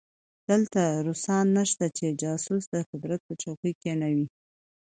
دلته روسان نشته چې جاسوس د قدرت پر څوکۍ کېنوي.